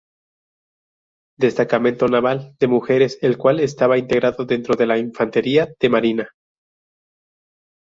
Destacamento naval de mujeres, el cual estaba integrado dentro de la Infantería de Marina.